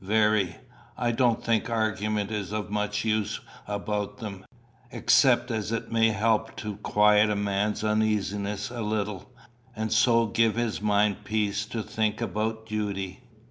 "Very. I don't think argument is of much use about them, except as it may help to quiet a man's uneasiness a little, and so give his mind peace to think about duty.